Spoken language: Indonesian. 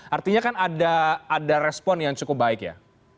artinya kan ada respon yang cukup baik ya